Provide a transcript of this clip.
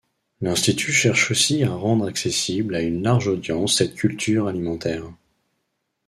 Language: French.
L'institut cherche aussi à rendre accessible à une large audience cette culture alimentaire.